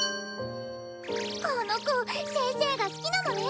この子先生が好きなのね